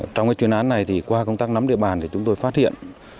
trong chuyên án này qua công tác nắm địa bàn chúng tôi phát hiện